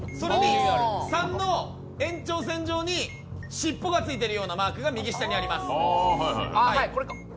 ３の延長線上にしっぽがついてるようなマークが右下にあります。